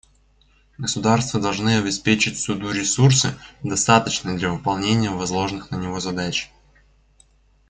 Государства должны обеспечить Суду ресурсы, достаточные для выполнения возложенных на него задач.